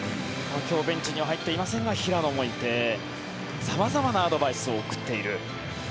今日、ベンチには入っていませんが平野もいて様々なアドバイスを送っている。